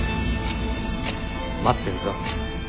待ってんぞ。